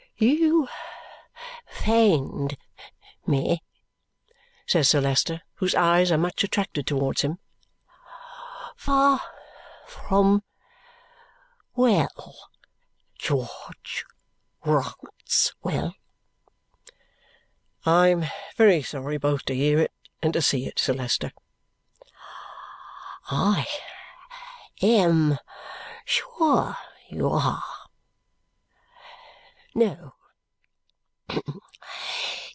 "You find me," says Sir Leicester, whose eyes are much attracted towards him, "far from well, George Rouncewell." "I am very sorry both to hear it and to see it, Sir Leicester." "I am sure you are. No.